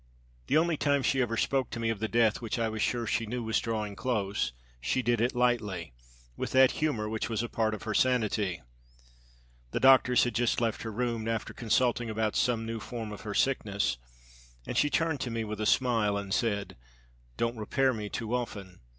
The only time she ever spoke to me of the death which I was sure she knew was drawing close, she did it lightly, with that humor which was a part of her sanity. The doctors had just left her room after consulting about some new form of her sickness, and she turned to me with a smile and said, 'Don't repair me too often!